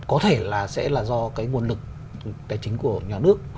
có thể là sẽ là do cái nguồn lực tài chính của nhà nước